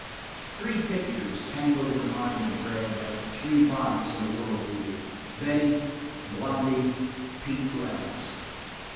Three pictures tangled in the mind of Gregg like three bodies in a whirlpool Betty, Blondy, Pete Glass.